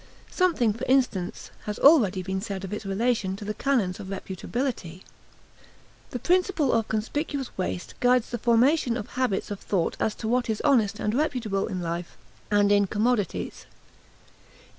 Something, for instance, has already been said of its relation to the canons of reputability. The principle of conspicuous waste guides the formation of habits of thought as to what is honest and reputable in life and in commodities.